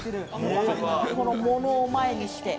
このものを前にして。